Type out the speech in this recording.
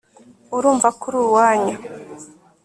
urumva ko uri uwanyu